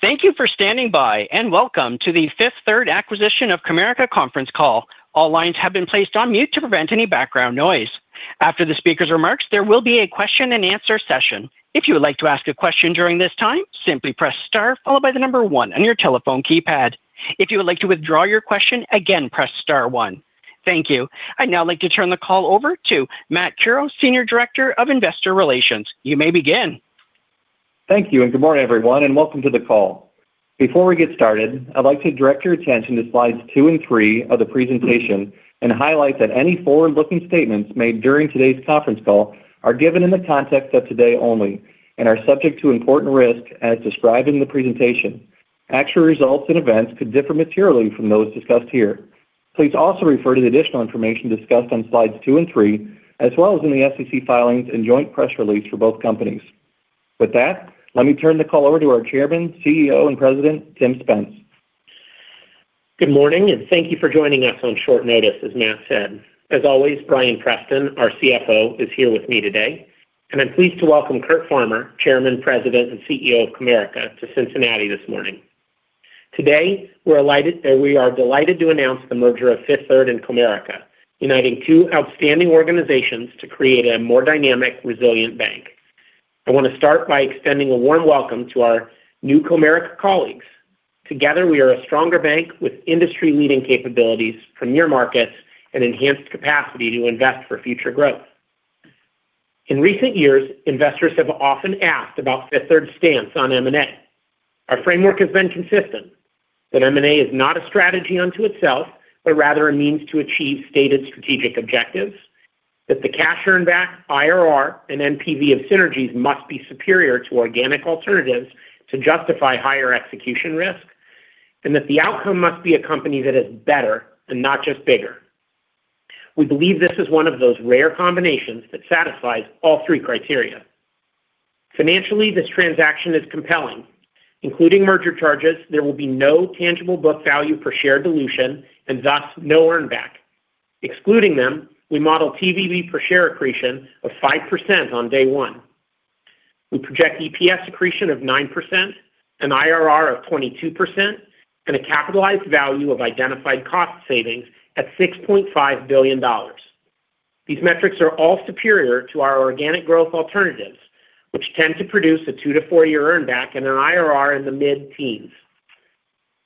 Thank you for standing by and welcome to the Fifth Third Acquisition of Comerica Conference Call. All lines have been placed on mute to prevent any background noise. After the speaker's remarks, there will be a question-and-answer session. If you would like to ask a question during this time, simply press star followed by the number one on your telephone keypad. If you would like to withdraw your question, again press star one. Thank you. I'd now like to turn the call over to Matt Curoe, Senior Director of Investor Relations. You may begin. Thank you and good morning everyone and welcome to the call. Before we get started, I'd like to direct your attention to slides two and three of the presentation and highlight that any forward-looking statements made during today's conference call are given in the context of today only and are subject to important risk as described in the presentation. Actual results and events could differ materially from those discussed here. Please also refer to the additional information discussed on slides two and three, as well as in the SEC filings and joint press release for both companies. With that, let me turn the call over to our Chairman, CEO, and President Tim Spence. Good morning and thank you for joining us on short notice, as Matt said. As always, Bryan Preston, our CFO, is here with me today, and I'm pleased to welcome Kurt Farmer, Chairman, President, and CEO of Comerica, to Cincinnati this morning. Today, we are delighted to announce the merger of Fifth Third and Comerica, uniting two outstanding organizations to create a more dynamic, resilient bank. I want to start by extending a warm welcome to our new Comerica colleagues. Together, we are a stronger bank with industry-leading capabilities, premier markets, and enhanced capacity to invest for future growth. In recent years, investors have often asked about Fifth Third's stance on M&A. Our framework has been consistent: that M&A is not a strategy unto itself, but rather a means to achieve stated strategic objectives, that the cash earned back, IRR, and NPV of synergies must be superior to organic alternatives to justify higher execution risk, and that the outcome must be a company that is better and not just bigger. We believe this is one of those rare combinations that satisfies all three criteria. Financially, this transaction is compelling. Including merger charges, there will be no tangible book value per share dilution and thus no earned back. Excluding them, we model TVB per share accretion of 5% on day one. We project EPS accretion of 9%, an IRR of 22%, and a capitalized value of identified cost savings at $6.5 billion. These metrics are all superior to our organic growth alternatives, which tend to produce a two to four-year earned back and an IRR in the mid-teens.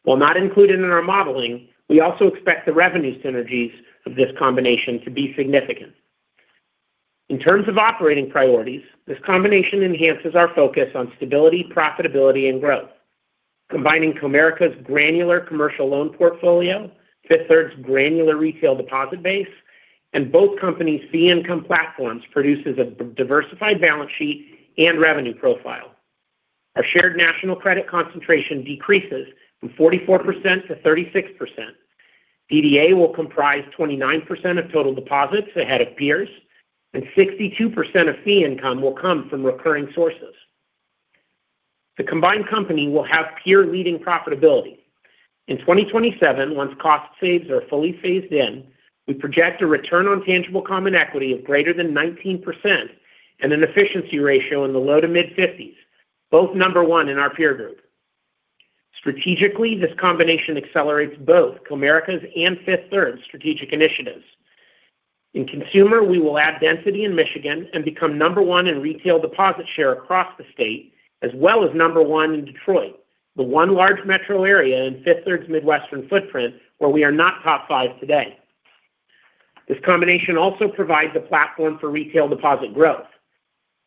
While not included in our modeling, we also expect the revenue synergies of this combination to be significant. In terms of operating priorities, this combination enhances our focus on stability, profitability, and growth. Combining Comerica's granular commercial loan portfolio, Fifth Third's granular retail deposit base, and both companies' fee-income platforms produces a diversified balance sheet and revenue profile. Our shared national credit concentration decreases from 44% to 36%. DDA will comprise 29% of total deposits ahead of peers, and 62% of fee income will come from recurring sources. The combined company will have peer-leading profitability. In 2027, once cost saves are fully phased in, we project a return on tangible common equity of greater than 19% and an efficiency ratio in the low to mid-50s, both number one in our peer group. Strategically, this combination accelerates both Comerica's and Fifth Third's strategic initiatives. In consumer, we will add density in Michigan and become number one in retail deposit share across the state, as well as number one in Detroit, the one large metro area in Fifth Third's Midwestern footprint where we are not top five today. This combination also provides a platform for retail deposit growth.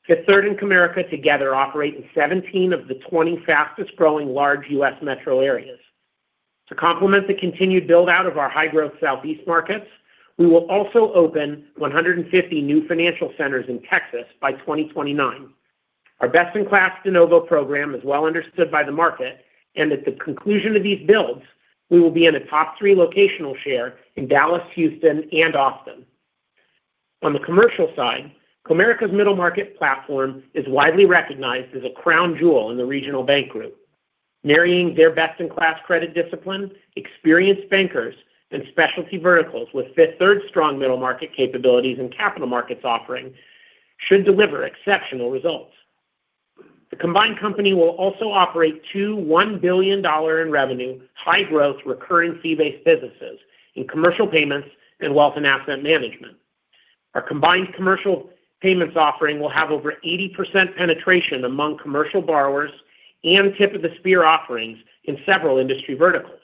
Fifth Third and Comerica together operate in 17 of the 20 fastest growing large U.S. metro areas. To complement the continued build-out of our high-growth Southeast markets, we will also open 150 new financial centers in Texas by 2029. Our best-in-class de novo program is well understood by the market, and at the conclusion of these builds, we will be in a top three locational share in Dallas, Houston, and Austin. On the commercial side, Comerica's middle market platform is widely recognized as a crown jewel in the regional bank group. Marrying their best-in-class credit discipline, experienced bankers, and specialty verticals with Fifth Third's strong middle market capabilities and capital markets offering should deliver exceptional results. The combined company will also operate two $1 billion in revenue, high-growth recurring C-based businesses in commercial payments and wealth and asset management. Our combined commercial payments offering will have over 80% penetration among commercial borrowers and tip of the spear offerings in several industry verticals.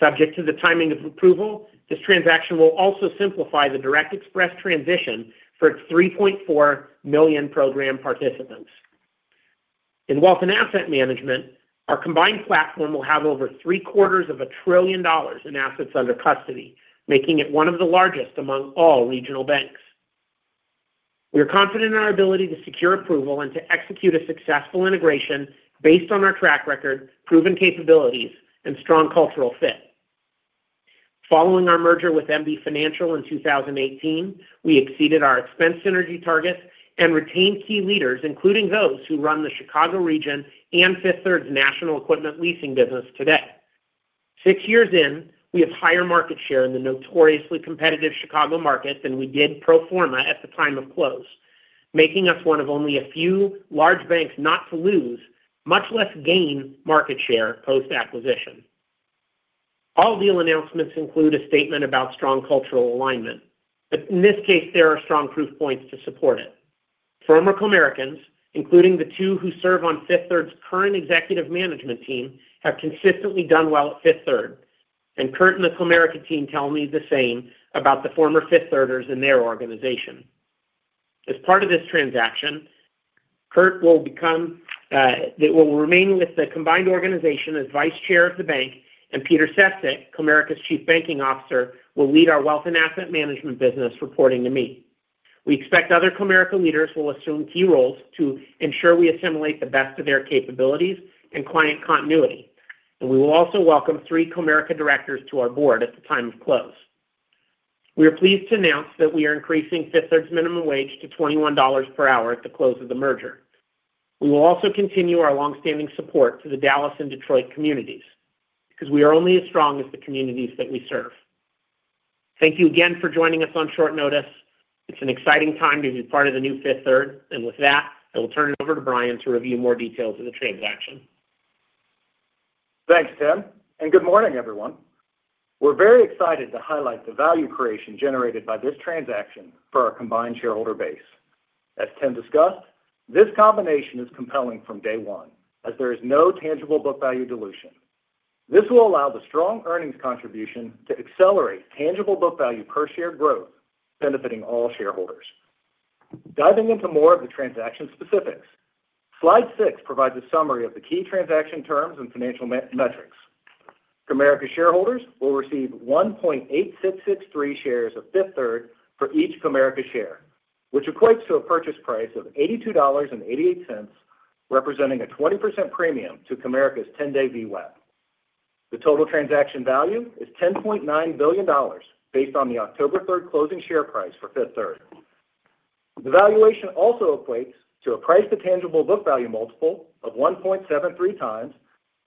Subject to the timing of approval, this transaction will also simplify the direct express transition for its 3.4 million program participants. In wealth and asset management, our combined platform will have over three quarters of a trillion dollars in assets under custody, making it one of the largest among all regional banks. We are confident in our ability to secure approval and to execute a successful integration based on our track record, proven capabilities, and strong cultural fit. Following our merger with MB Financial in 2018, we exceeded our expense synergy targets and retained key leaders, including those who run the Chicago region and Fifth Third's national equipment leasing business today. Six years in, we have higher market share in the notoriously competitive Chicago market than we did pro forma at the time of close, making us one of only a few large banks not to lose, much less gain market share post-acquisition. All deal announcements include a statement about strong cultural alignment. In this case, there are strong proof points to support it. Former Comericans, including the two who serve on Fifth Third's current executive management team, have consistently done well at Fifth Third, and Kurt and the Comerica team tell me the same about the former Fifth Thirders in their organization. As part of this transaction, Kurt will remain with the combined organization as Vice Chair of the Bank, and Peter Sefsik, Comerica's Chief Banking Officer, will lead our wealth and asset management business reporting to me. We expect other Comerica leaders will assume key roles to ensure we assimilate the best of their capabilities and client continuity. We will also welcome three Comerica directors to our board at the time of close. We are pleased to announce that we are increasing Fifth Third's minimum wage to $21 per hour at the close of the merger. We will also continue our longstanding support for the Dallas and Detroit communities because we are only as strong as the communities that we serve. Thank you again for joining us on short notice. It's an exciting time to be part of the new Fifth Third, and with that, I will turn it over to Bryan to review more details of the transaction. Thanks, Tim, and good morning, everyone. We're very excited to highlight the value creation generated by this transaction for our combined shareholder base. As Tim discussed, this combination is compelling from day one, as there is no tangible book value dilution. This will allow the strong earnings contribution to accelerate tangible book value per share growth, benefiting all shareholders. Diving into more of the transaction specifics, slide six provides a summary of the key transaction terms and financial metrics. Comerica shareholders will receive 1.8663 shares of Fifth Third for each Comerica share, which equates to a purchase price of $82.88, representing a 20% premium to Comerica's 10-day VWAP. The total transaction value is $10.9 billion based on the October 3rd closing share price for Fifth Third. The valuation also equates to a price to tangible book value multiple of 1.73 times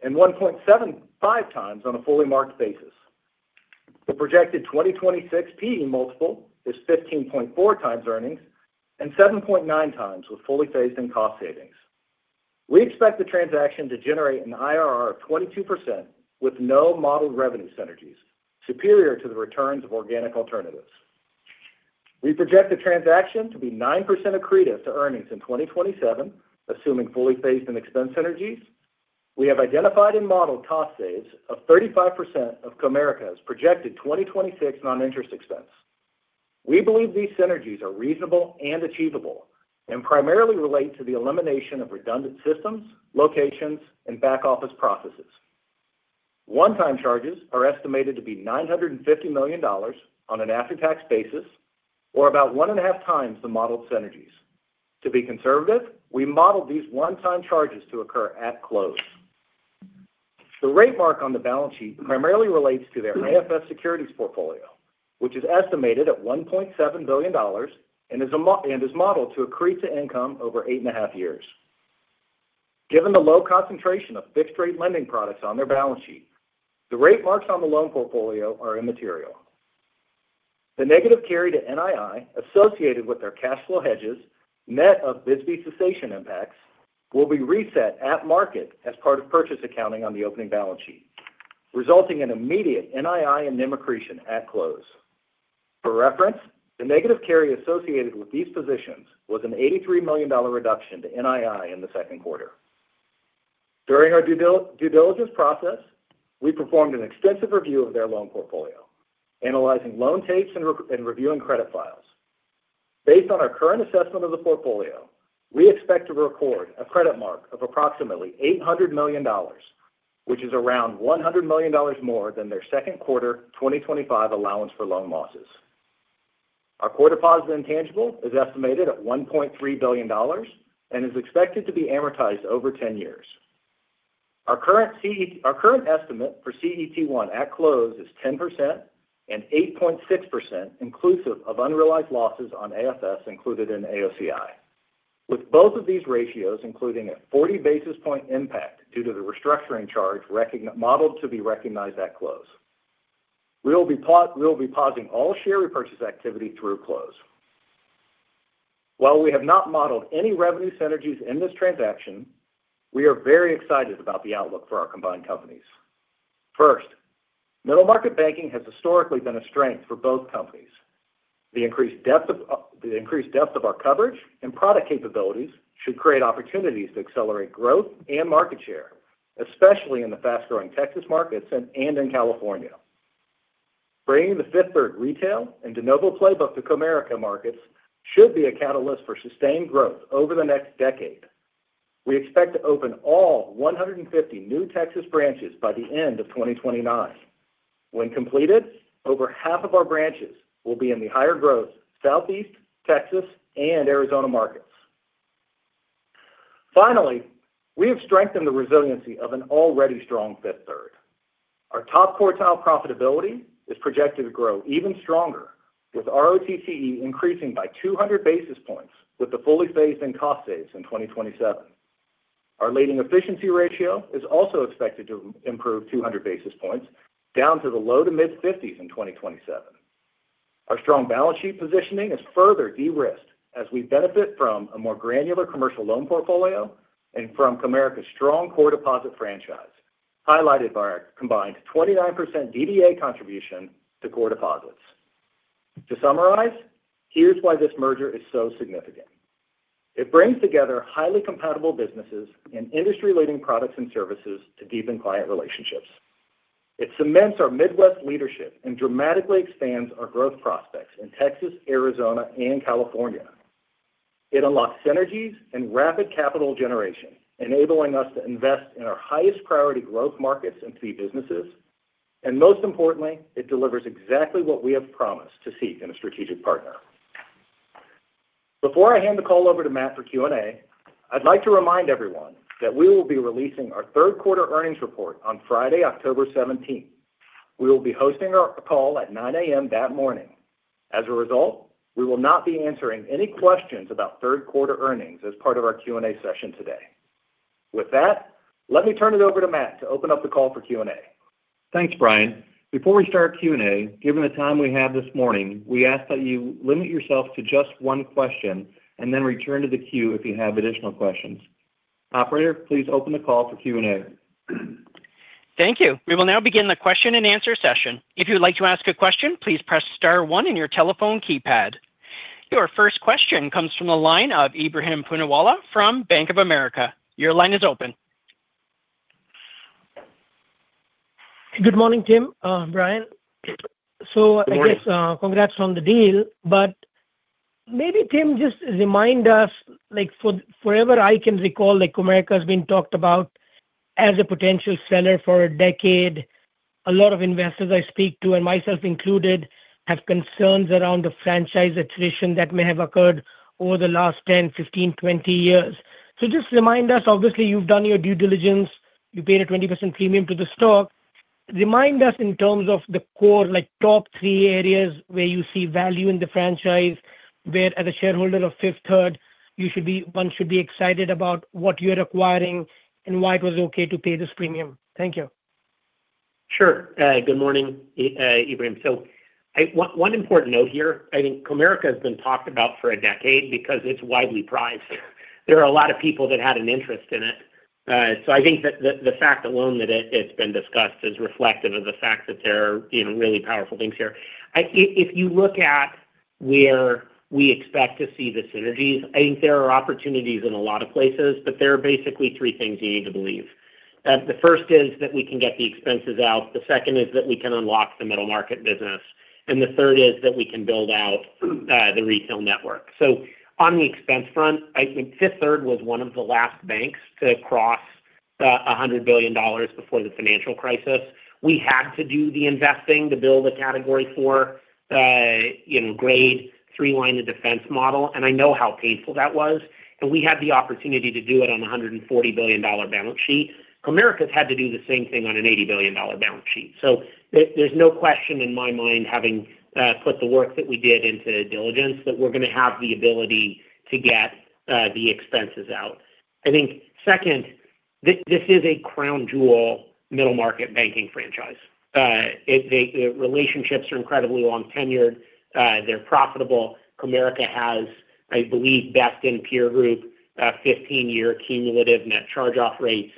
and 1.75 times on a fully marked basis. The projected 2026 P/E multiple is 15.4 times earnings and 7.9 times with fully phased in cost savings. We expect the transaction to generate an IRR of 22% with no modeled revenue synergies, superior to the returns of organic alternatives. We project the transaction to be 9% accretive to earnings in 2027, assuming fully phased in expense synergies. We have identified and modeled cost saves of 35% of Comerica's projected 2026 non-interest expense. We believe these synergies are reasonable and achievable and primarily relate to the elimination of redundant systems, locations, and back office processes. One-time charges are estimated to be $950 million on an after-tax basis, or about 1.5 times the modeled synergies. To be conservative, we modeled these one-time charges to occur at close. The rate mark on the balance sheet primarily relates to their AFS securities portfolio, which is estimated at $1.7 billion and is modeled to accrete to income over 8.5 years. Given the low concentration of fixed-rate lending products on their balance sheet, the rate marks on the loan portfolio are immaterial. The negative carry to NII associated with their cash flow hedges, net of BISB cessation impacts, will be reset at market as part of purchase accounting on the opening balance sheet, resulting in immediate NII and NIM accretion at close. For reference, the negative carry associated with these positions was an $83 million reduction to NII in the second quarter. During our due diligence process, we performed an extensive review of their loan portfolio, analyzing loan tapes and reviewing credit files. Based on our current assessment of the portfolio, we expect to record a credit mark of approximately $800 million, which is around $100 million more than their second quarter 2025 allowance for loan losses. Our core deposit intangible is estimated at $1.3 billion and is expected to be amortized over 10 years. Our current estimate for CET1 at close is 10% and 8.6% inclusive of unrealized losses on AFS included in AOCI. With both of these ratios including a 40 basis point impact due to the restructuring charge modeled to be recognized at close, we will be pausing all share repurchase activity through close. While we have not modeled any revenue synergies in this transaction, we are very excited about the outlook for our combined companies. First, middle market banking has historically been a strength for both companies. The increased depth of our coverage and product capabilities should create opportunities to accelerate growth and market share, especially in the fast-growing Texas markets and in California. Bringing the Fifth Third retail and de novo playbook to Comerica markets should be a catalyst for sustained growth over the next decade. We expect to open all 150 new Texas branches by the end of 2029. When completed, over half of our branches will be in the higher growth Southeast, Texas, and Arizona markets. Finally, we have strengthened the resiliency of an already strong Fifth Third. Our top quartile profitability is projected to grow even stronger, with ROTCE increasing by 200 basis points with the fully phased in cost saves in 2027. Our leading efficiency ratio is also expected to improve 200 basis points down to the low to mid-50s in 2027. Our strong balance sheet positioning is further de-risked as we benefit from a more granular commercial loan portfolio and from Comerica's strong core deposit franchise, highlighted by our combined 29% DDA contribution to core deposits. To summarize, here's why this merger is so significant. It brings together highly compatible businesses and industry-leading products and services to deepen client relationships. It cements our Midwest leadership and dramatically expands our growth prospects in Texas, Arizona, and California. It unlocks synergies and rapid capital generation, enabling us to invest in our highest priority growth markets and key businesses. Most importantly, it delivers exactly what we have promised to seek in a strategic partner. Before I hand the call over to Matt for Q&A, I'd like to remind everyone that we will be releasing our third quarter earnings report on Friday, October 17, 2023. We will be hosting our call at 9:00 A.M. that morning. As a result, we will not be answering any questions about third quarter earnings as part of our Q&A session today. With that, let me turn it over to Matt to open up the call for Q&A. Thanks, Bryan. Before we start Q&A, given the time we have this morning, we ask that you limit yourself to just one question and then return to the queue if you have additional questions. Operator, please open the call for Q&A. Thank you. We will now begin the question-and-answer session. If you would like to ask a question, please press star one on your telephone keypad. Your first question comes from the line of Ebrahim Poonawala from Bank of America. Your line is open. Good morning, Tim. Bryan. I guess congrats on the deal, but maybe Tim, just remind us, like forever I can recall, Comerica has been talked about as a potential seller for a decade. A lot of investors I speak to, and myself included, have concerns around the franchise attrition that may have occurred over the last 10, 15, 20 years. Just remind us, obviously, you've done your due diligence. You paid a 20% premium to the stock. Remind us in terms of the core, like top three areas where you see value in the franchise, where as a shareholder of Fifth Third, you should be, one should be excited about what you're acquiring and why it was okay to pay this premium. Thank you. Sure. Good morning, Ebrahim. I want one important note here. I think Comerica has been talked about for a decade because it's widely prized. There are a lot of people that had an interest in it. I think that the fact alone that it's been discussed is reflective of the fact that there are, you know, really powerful things here. If you look at where we expect to see the synergies, I think there are opportunities in a lot of places, but there are basically three things we need to believe. The first is that we can get the expenses out. The second is that we can unlock the middle market business. The third is that we can build out the retail network. On the expense front, I think Fifth Third was one of the last banks to cross the $100 billion before the financial crisis. We had to do the investing to build a category four, you know, grade three line of defense model. I know how painful that was. We had the opportunity to do it on a $140 billion balance sheet. Comerica's had to do the same thing on an $80 billion balance sheet. There's no question in my mind having put the work that we did into diligence that we're going to have the ability to get the expenses out. I think second, that this is a crown jewel middle market banking franchise. The relationships are incredibly long tenured. They're profitable. Comerica has, I believe, best in peer group, 15-year cumulative net charge-off rates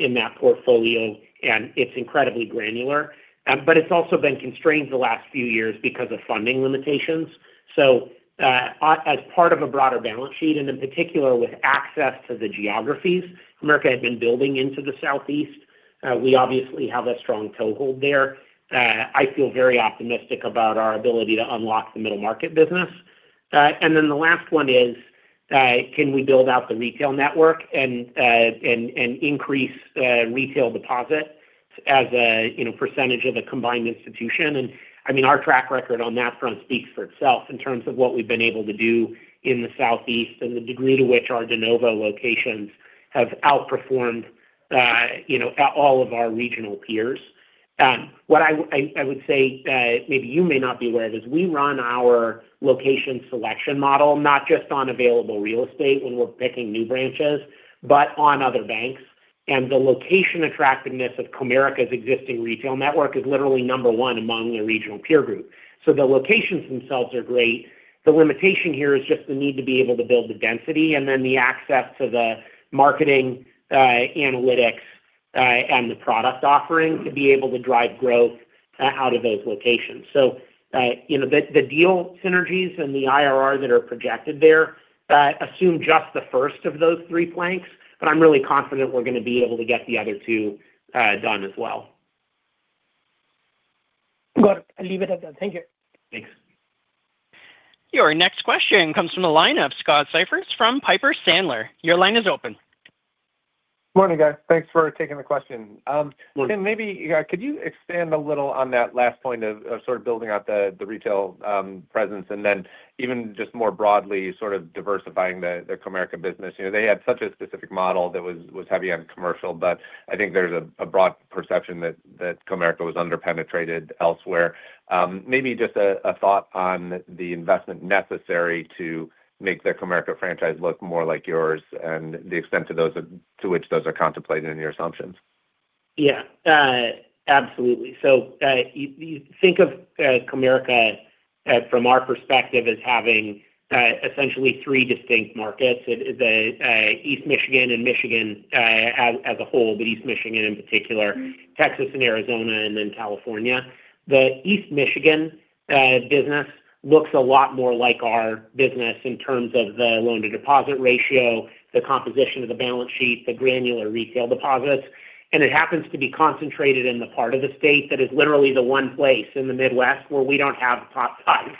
in that portfolio, and it's incredibly granular. It's also been constrained the last few years because of funding limitations. As part of a broader balance sheet, and in particular with access to the geographies Comerica had been building into the Southeast, we obviously have a strong toehold there. I feel very optimistic about our ability to unlock the middle market business. The last one is, can we build out the retail network and increase retail deposit as a percentage of a combined institution? I mean, our track record on that front speaks for itself in terms of what we've been able to do in the Southeast and the degree to which our de novo locations have outperformed, you know, all of our regional peers. What I would say maybe you may not be aware of is we run our location selection model not just on available real estate when we're picking new branches, but on other banks. The location attractiveness of Comerica's existing retail network is literally number one among a regional peer group. The locations themselves are great. The limitation here is just the need to be able to build the density and then the access to the marketing analytics and the product offering to be able to drive growth out of those locations. The deal synergies and the IRR that are projected there assume just the first of those three planks, but I'm really confident we're going to be able to get the other two done as well. I'll leave it at that. Thank you. Thanks. Your next question comes from the line of Scott Siefers from Piper Sandler. Your line is open. Morning guys. Thanks for taking the question. Tim, maybe could you expand a little on that last point of sort of building out the retail presence and then even just more broadly sort of diversifying the Comerica business? They had such a specific model that was heavy on commercial, but I think there's a broad perception that Comerica was underpenetrated elsewhere. Maybe just a thought on the investment necessary to make their Comerica franchise look more like yours and the extent to which those are contemplated in your assumptions. Yeah, absolutely. You think of Comerica from our perspective as having essentially three distinct markets: East Michigan and Michigan as a whole, but East Michigan in particular, Texas and Arizona, and then California. The East Michigan business looks a lot more like our business in terms of the loan-to-deposit ratio, the composition of the balance sheet, the granular retail deposits. It happens to be concentrated in the part of the state that is literally the one place in the Midwest where we don't have top five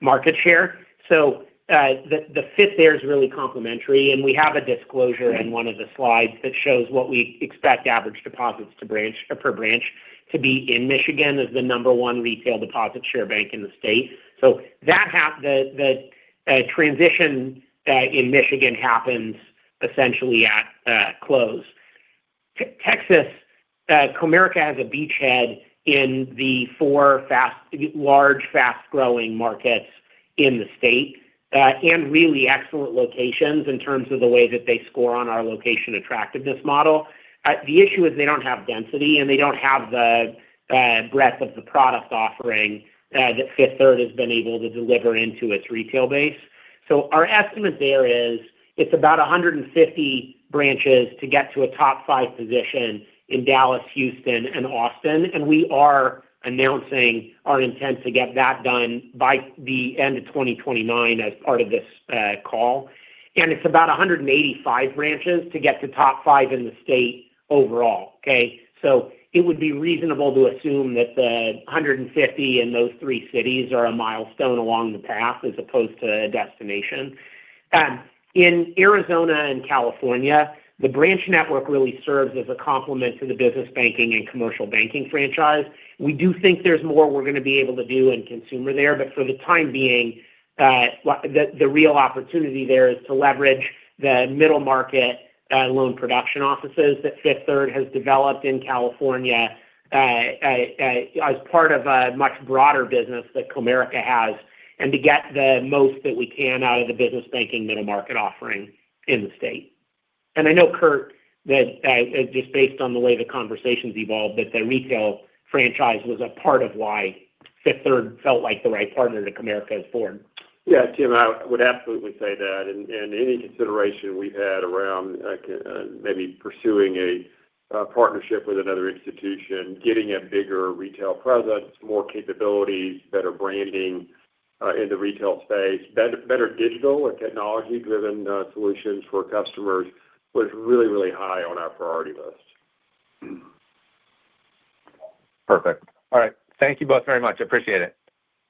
market share. The fit there is really complementary. We have a disclosure in one of the slides that shows what we expect average deposits per branch to be in Michigan as the number one retail deposit share bank in the state. That transition in Michigan happens essentially at close. Texas, Comerica has a beachhead in the four large, fast-growing markets in the state and really excellent locations in terms of the way that they score on our location attractiveness model. The issue is they don't have density and they don't have the breadth of the product offering that Fifth Third has been able to deliver into its retail base. Our estimate there is it's about 150 branches to get to a top five position in Dallas, Houston, and Austin. We are announcing our intent to get that done by the end of 2029 as part of this call. It's about 185 branches to get to top five in the state overall. It would be reasonable to assume that the 150 in those three cities are a milestone along the path as opposed to a destination. In Arizona and California, the branch network really serves as a complement to the business banking and commercial banking franchise. We do think there's more we're going to be able to do in consumer there, but for the time being, the real opportunity there is to leverage the middle market loan production offices that Fifth Third has developed in California as part of a much broader business that Comerica has and to get the most that we can out of the business banking middle market offering in the state. I know, Kurt, that just based on the way the conversations evolved, the retail franchise was a part of why Fifth Third felt like the right partner that Comerica has formed. Yeah, Tim, I would absolutely say that. Any consideration we've had around maybe pursuing a partnership with another institution, getting a bigger retail presence, more capabilities, better branding in the retail space, better digital and technology-driven solutions for customers was really, really high on our priority list. Perfect. All right. Thank you both very much. I appreciate it.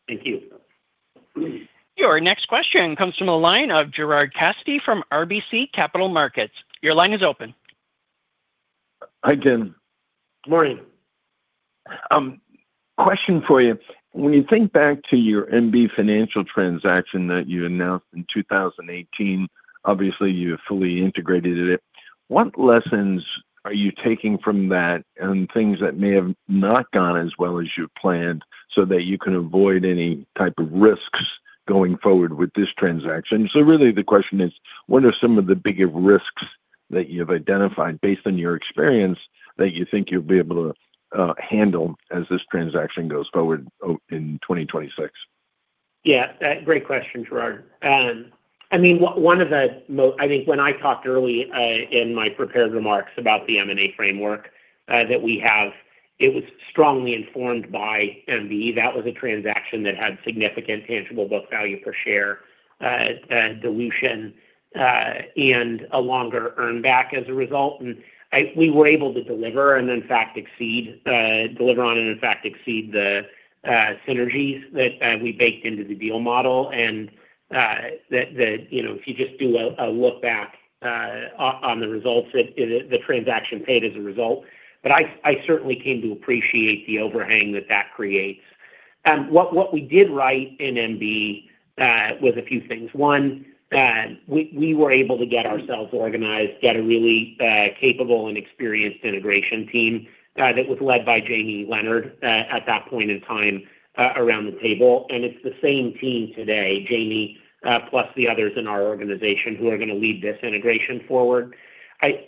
Thank you. Your next question comes from the line of Gerard Cassidy from RBC Capital Markets. Your line is open. Hi, Tim. Morning. When you think back to your MB Financial transaction that you announced in 2018, obviously, you fully integrated it. What lessons are you taking from that and things that may have not gone as well as you planned so that you can avoid any type of risks going forward with this transaction? The question is, what are some of the bigger risks that you've identified based on your experience that you think you'll be able to handle as this transaction goes forward in 2026? Yeah, great question, Gerard. I mean, one of the most, I think when I talked early in my prepared remarks about the M&A framework that we have, it was strongly informed by MB. That was a transaction that had significant tangible book value per share dilution and a longer earned back as a result. We were able to deliver on and in fact exceed the synergies that we baked into the deal model. If you just do a look back on the results that the transaction paid as a result, I certainly came to appreciate the overhang that that creates. What we did right in MB was a few things. One, we were able to get ourselves organized, get a really capable and experienced integration team that was led by Jamie Leonard at that point in time around the table. It's the same team today, Jamie, plus the others in our organization who are going to lead this integration forward.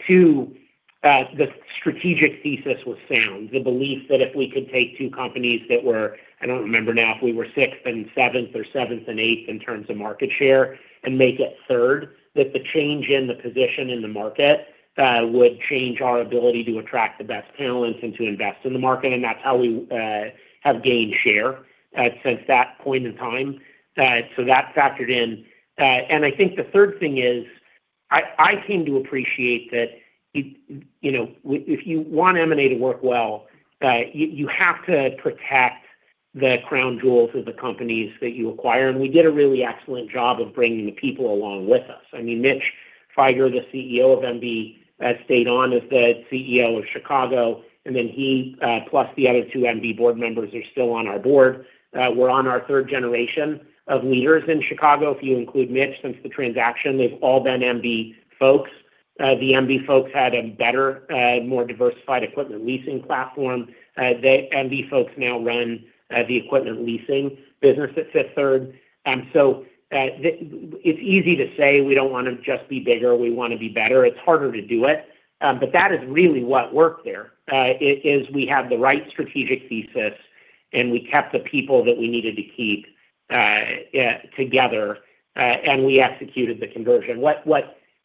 Two, the strategic thesis was sound, the belief that if we could take two companies that were, I don't remember now if we were sixth and seventh or seventh and eighth in terms of market share and make it third, that the change in the position in the market would change our ability to attract the best talents and to invest in the market. That's how we have gained share since that point in time. That factored in. I think the third thing is I came to appreciate that if you want M&A to work well, you have to protect the crown jewels of the companies that you acquire. We did a really excellent job of bringing the people along with us. Mitch Feiger, the CEO of MB, stayed on as the CEO of Chicago. He, plus the other two MB board members who are still on our board, were on our third generation of leaders in Chicago. If you include Mitch, since the transaction, they've all been MB folks. The MB folks had a better, more diversified equipment leasing platform. The MB folks now run the equipment leasing business at Fifth Third. It's easy to say we don't want to just be bigger, we want to be better. It's harder to do it. That is really what worked there, we had the right strategic thesis and we kept the people that we needed to keep together, and we executed the conversion. What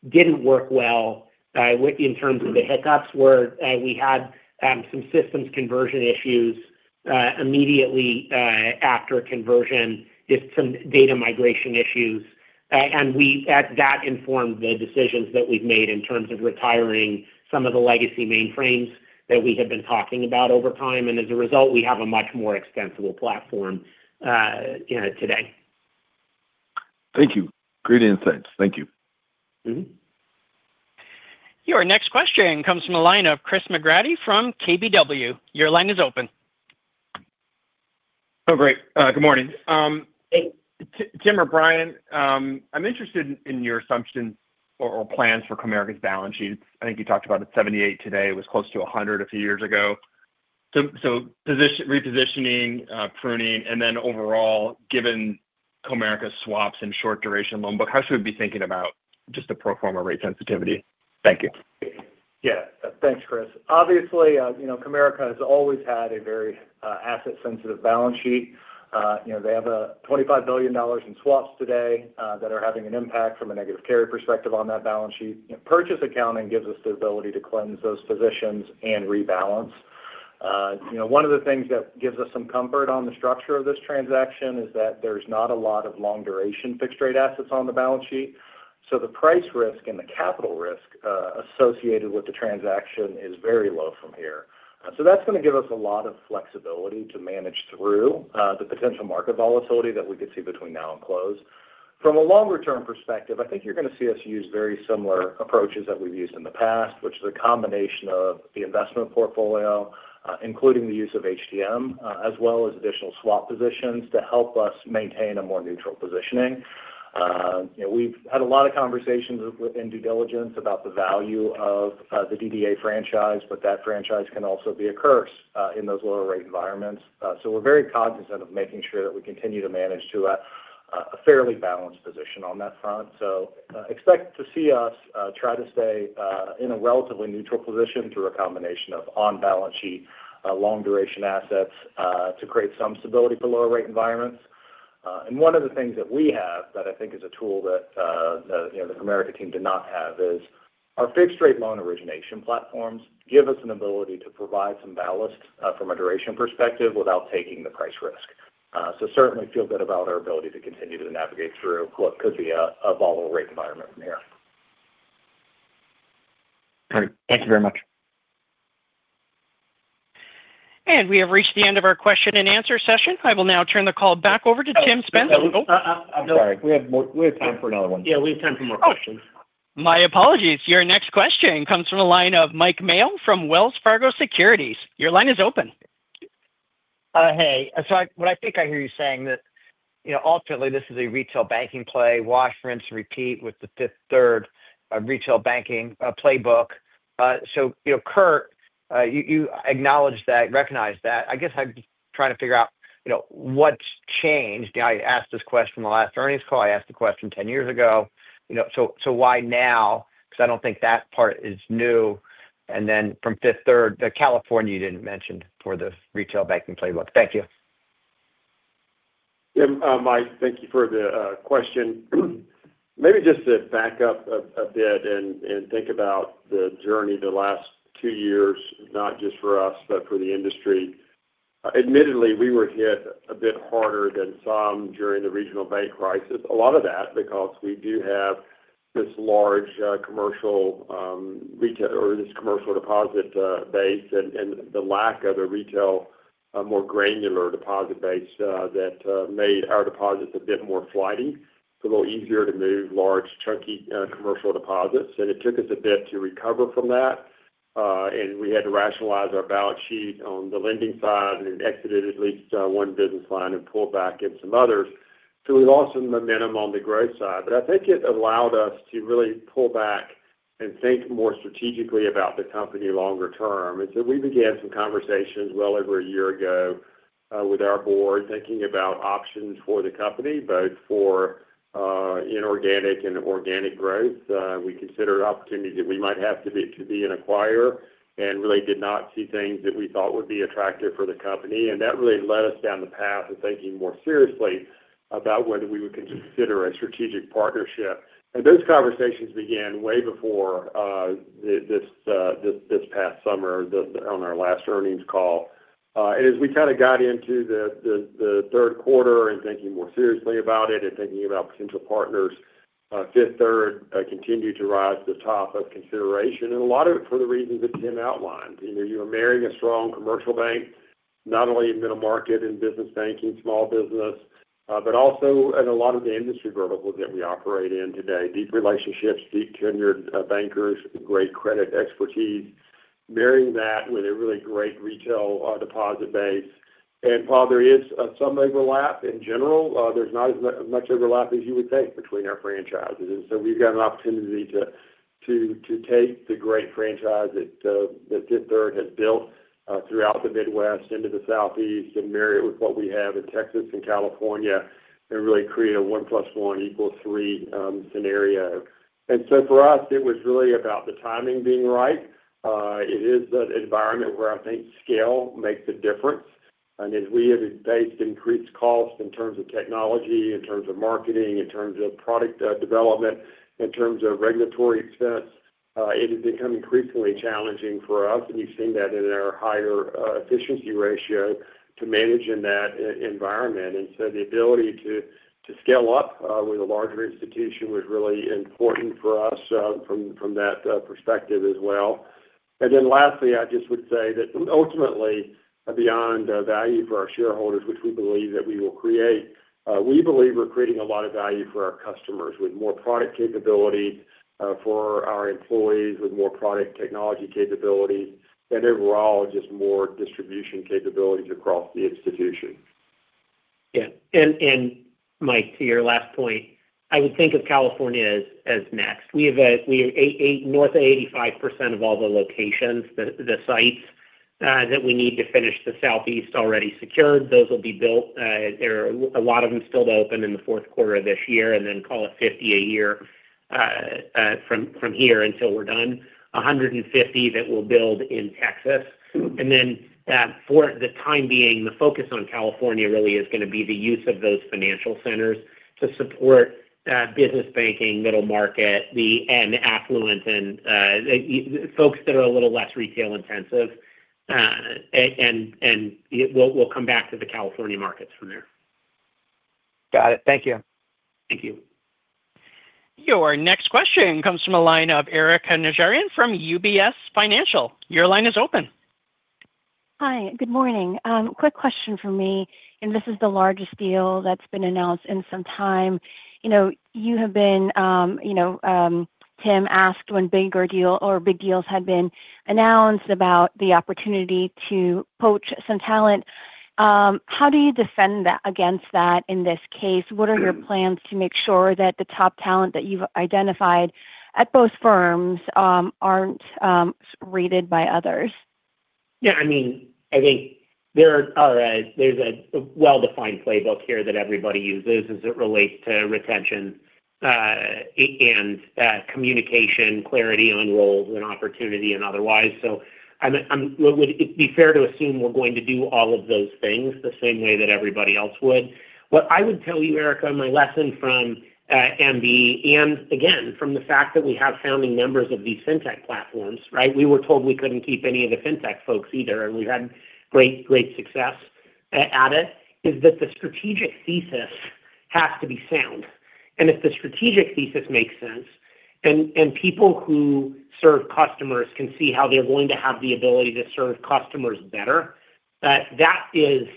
didn't work well in terms of the hiccups were we had some systems conversion issues immediately after conversion, just some data migration issues. That informed the decisions that we've made in terms of retiring some of the legacy mainframes that we have been talking about over time. As a result, we have a much more extensible platform today. Thank you. Great insights. Thank you. Your next question comes from a line of Chris McGrady from KBW. Your line is open. Oh, great. Good morning. Tim or Bryan, I'm interested in your assumption or plans for Comerica's balance sheet. I think you talked about it at 78 today. It was close to 100 a few years ago. Repositioning, pruning, and then overall, given Comerica's swaps and short duration loan book, how should we be thinking about just the pro forma rate sensitivity? Thank you. Yeah, thanks, Chris. Obviously, you know, Comerica has always had a very asset-sensitive balance sheet. They have $25 billion in swaps today that are having an impact from a negative carry perspective on that balance sheet. Purchase accounting gives us the ability to cleanse those positions and rebalance. One of the things that gives us some comfort on the structure of this transaction is that there's not a lot of long-duration fixed-rate assets on the balance sheet. The price risk and the capital risk associated with the transaction is very low from here. That's going to give us a lot of flexibility to manage through the potential market volatility that we could see between now and close. From a longer-term perspective, I think you're going to see us use very similar approaches that we've used in the past, which is a combination of the investment portfolio, including the use of HTM, as well as additional swap positions to help us maintain a more neutral positioning. We've had a lot of conversations in due diligence about the value of the DDA franchise, but that franchise can also be a curse in those lower rate environments. We're very cognizant of making sure that we continue to manage to a fairly balanced position on that front. Expect to see us try to stay in a relatively neutral position through a combination of on-balance sheet long-duration assets to create some stability for lower rate environments. One of the things that we have that I think is a tool that the Comerica team did not have is our fixed-rate loan origination platforms give us an ability to provide some ballast from a duration perspective without taking the price risk. Certainly feel good about our ability to continue to navigate through what could be a volatile rate environment from here. All right. Thank you very much. We have reached the end of our question-and-answer session. I will now turn the call back over to Tim Spence. I'm sorry, we have time for another one. Yeah, we have time for more questions. My apologies. Your next question comes from a line of Mike Mayo from Wells Fargo Securities. Your line is open. Hey, what I think I hear you saying is that, you know, ultimately, this is a retail banking play. Why, for instance, repeat with the Fifth Third retail banking playbook? Kurt, you acknowledge that, recognize that. I guess I'm just trying to figure out, you know, what's changed? I asked this question in the last earnings call. I asked the question 10 years ago. Why now? I don't think that part is new. From Fifth Third, the California you didn't mention for the retail banking playbook. Thank you. Hey, Mike, thank you for the question. Maybe just to back up a bit and think about the journey the last two years, not just for us, but for the industry. Admittedly, we were hit a bit harder than some during the regional bank crisis, a lot of that because we do have this large commercial or this deposit base and the lack of a retail, a more granular deposit base that made our deposits a bit more flighty. It's a little easier to move large chunky commercial deposits. It took us a bit to recover from that. We had to rationalize our balance sheet on the lending side and exited at least one business line and pulled back in some others. We lost some momentum on the growth side. I think it allowed us to really pull back and think more strategically about the company longer term. We began some conversations well over a year ago with our board, thinking about options for the company, both for inorganic and organic growth. We considered opportunities that we might have to be to be an acquirer and really did not see things that we thought would be attractive for the company. That really led us down the path of thinking more seriously about whether we would consider a strategic partnership. Those conversations began way before this past summer on our last earnings call. As we kind of got into the third quarter and thinking more seriously about it and thinking about potential partners, Fifth Third continued to rise to the top of consideration. A lot of it for the reasons that Tim outlined. You are marrying a strong commercial bank, not only in the middle market and business banking, small business, but also in a lot of the industry verticals that we operate in today. Deep relationships, deep tenured bankers, great credit expertise, marrying that with a really great retail deposit base. While there is some overlap in general, there's not as much overlap as you would think between our franchises. We've got an opportunity to take the great franchise that Fifth Third has built throughout the Midwest into the Southeast and marry it with what we have in Texas and California and really create a one plus one equals three scenario. For us, it was really about the timing being right. It is the environment where I think scale makes a difference. As we have faced increased costs in terms of technology, in terms of marketing, in terms of product development, in terms of regulatory expense, it has become increasingly challenging for us. You have seen that in our higher efficiency ratio to manage in that environment. The ability to scale up with a larger institution was really important for us from that perspective as well. Lastly, I just would say that ultimately, beyond value for our shareholders, which we believe that we will create, we believe we're creating a lot of value for our customers with more product capability, for our employees with more product technology capabilities, and overall just more distribution capabilities across the institution. Yeah. Mike, to your last point, I would think of California as next. We have north of 85% of all the locations, the sites that we need to finish the Southeast already secured. Those will be built, or a lot of them still to open in the fourth quarter of this year, and then call it 50 a year from here until we're done. 150 that we'll build in Texas. For the time being, the focus on California really is going to be the use of those financial centers to support business banking, middle market, the end affluent, and folks that are a little less retail intensive. We'll come back to the California markets from there. Got it. Thank you. Thank you. Your next question comes from a line of Erika Najarian from UBS Financial. Your line is open. Hi. Good morning. Quick question for me. This is the largest deal that's been announced in some time. You have been, Tim asked when bigger deals or big deals had been announced about the opportunity to poach some talent. How do you defend against that in this case? What are your plans to make sure that the top talent that you've identified at both firms aren't raided by others? Yeah, I mean, I think there's a well-defined playbook here that everybody uses as it relates to retention and communication, clarity on roles and opportunity and otherwise. Would it be fair to assume we're going to do all of those things the same way that everybody else would? What I would tell you, Erika, my lesson from MB, and again, from the fact that we have founding members of these fintech platforms, right? We were told we couldn't keep any of the fintech folks either, and we've had great, great success at it, is that the strategic thesis has to be sound. If the strategic thesis makes sense, and people who serve customers can see how they're going to have the ability to serve customers better, that is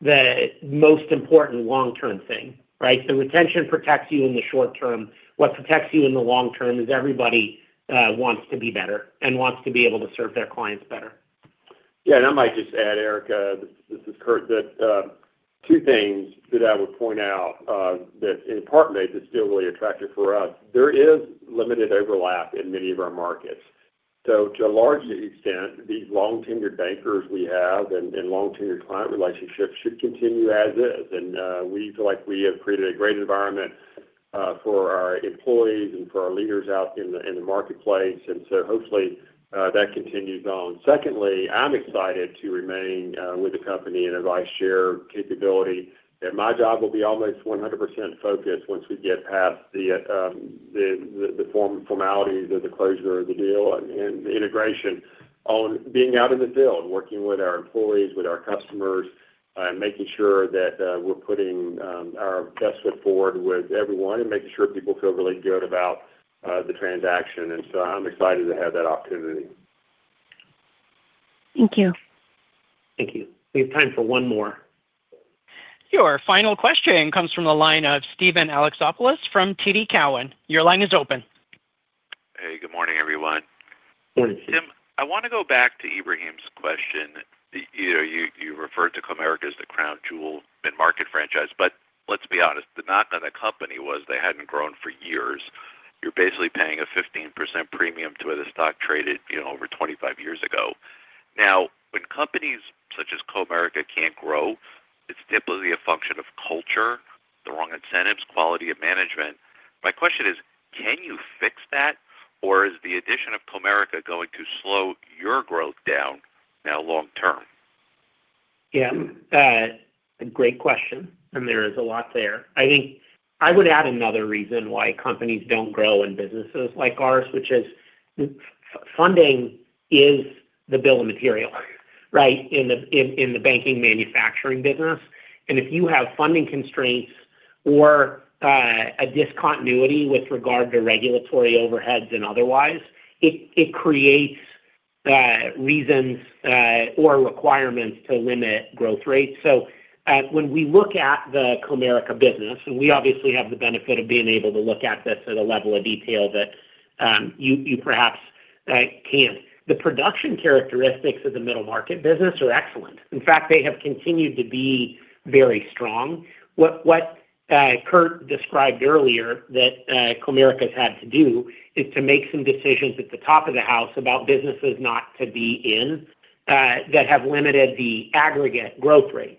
the most important long-term thing, right? The retention protects you in the short term. What protects you in the long term is everybody wants to be better and wants to be able to serve their clients better. Yeah, and I might just add, Erika, this is Kurt, that two things that I would point out that in part of it is still really attractive for us. There is limited overlap in many of our markets. To a large extent, these long-tenured bankers we have and long-tenured client relationships should continue as is. We feel like we have created a great environment for our employees and for our leaders out in the marketplace. Hopefully, that continues on. Secondly, I'm excited to remain with the company in a Vice Chair capability. My job will be almost 100% focused once we get past the formal formalities of the closure of the deal and the integration on being out in the field, working with our employees, with our customers, and making sure that we're putting our best foot forward with everyone and making sure people feel really good about the transaction. I'm excited to have that opportunity. Thank you. Thank you. We have time for one more. Your final question comes from the line of Steven Alexopoulos from TD Cowen. Your line is open. Hey, good morning, everyone. Morning, Tim. I want to go back to Ebrahim's question. You know, you referred to Comerica as the crown jewel mid-market franchise, but let's be honest, the knock on the company was they hadn't grown for years. You're basically paying a 15% premium to where the stock traded, you know, over 25 years ago. Now, when companies such as Comerica can't grow, it's typically a function of culture, the wrong incentives, quality of management. My question is, can you fix that, or is the addition of Comerica going to slow your growth down now long-term? Yeah, great question. There is a lot there. I think I would add another reason why companies don't grow in businesses like ours, which is funding is the bill of material, right, in the banking manufacturing business. If you have funding constraints or a discontinuity with regard to regulatory overheads and otherwise, it creates reasons or requirements to limit growth rates. When we look at the Comerica business, and we obviously have the benefit of being able to look at this at a level of detail that you perhaps can't, the production characteristics of the middle market business are excellent. In fact, they have continued to be very strong. What Kurt described earlier that Comerica has had to do is to make some decisions at the top of the house about businesses not to be in that have limited the aggregate growth rate.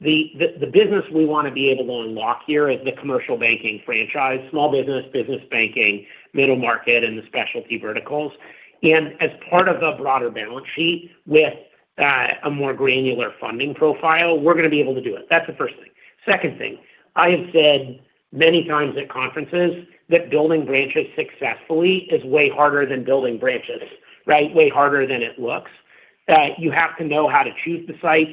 The business we want to be able to unlock here is the commercial banking franchise, small business, business banking, middle market, and the specialty verticals. As part of the broader balance sheet with a more granular funding profile, we're going to be able to do it. That's the first thing. Second thing, I have said many times at conferences that building branches successfully is way harder than building branches, right? Way harder than it looks. You have to know how to choose the sites.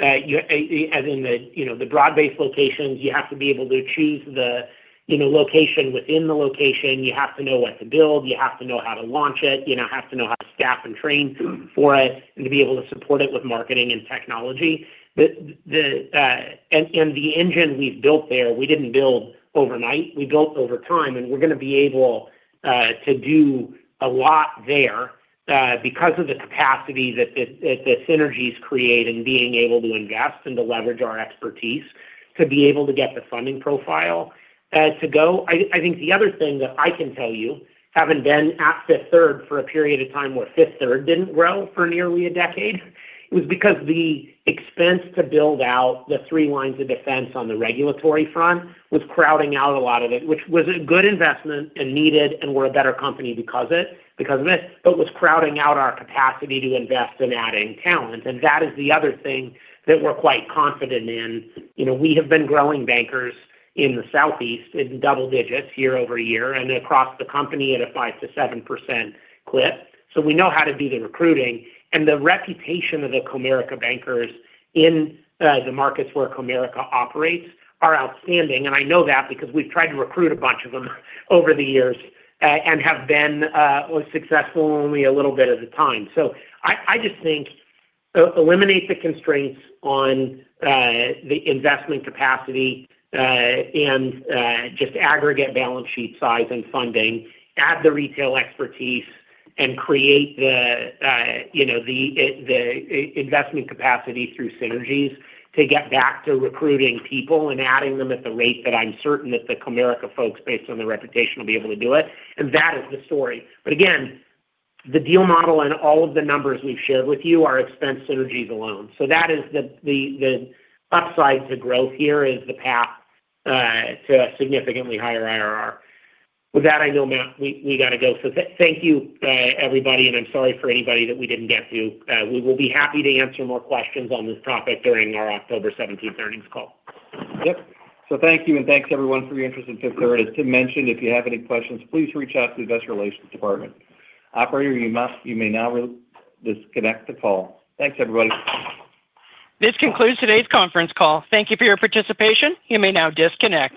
You, as in the, you know, the broad-based locations, you have to be able to choose the, you know, location within the location. You have to know what to build. You have to know how to launch it. You now have to know how to staff and train for it and to be able to support it with marketing and technology. The engine we've built there, we didn't build overnight. We built over time, and we're going to be able to do a lot there because of the capacity that the synergies create and being able to invest and to leverage our expertise to be able to get the funding profile to go. I think the other thing that I can tell you, having been at Fifth Third for a period of time where Fifth Third didn't grow for nearly a decade, was because the expense to build out the three lines of defense on the regulatory front was crowding out a lot of it, which was a good investment and needed and we're a better company because of it. Because of this, it was crowding out our capacity to invest in adding talent. That is the other thing that we're quite confident in. You know, we have been growing bankers in the Southeast in double digits year-over-year and across the company at a 5%-7% clip. We know how to do the recruiting. The reputation of the Comerica bankers in the markets where Comerica operates are outstanding. I know that because we've tried to recruit a bunch of them over the years and have been successful only a little bit at a time. I think eliminate the constraints on the investment capacity and just aggregate balance sheet size and funding. Add the retail expertise and create the investment capacity through synergies to get back to recruiting people and adding them at the rate that I'm certain that the Comerica folks, based on their reputation, will be able to do it. That is the story. The deal model and all of the numbers we've shared with you are expense synergies alone. The upside to growth here is the path to a significantly higher IRR. With that, I know, Matt, we got to go. Thank you, everybody, and I'm sorry for anybody that we didn't get to. We will be happy to answer more questions on this topic during our October 17, 2023 earnings call. Thank you and thanks everyone for your interest in Fifth Third. If you have any questions, please reach out to the Investor Relations department. You may now disconnect the call. Thanks, everybody. This concludes today's conference call. Thank you for your participation. You may now disconnect.